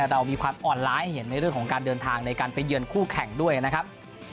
เรามีความอ่อนล้าให้เห็นในเรื่องของการเดินทางในการไปเยือนคู่แข่งด้วยนะครับ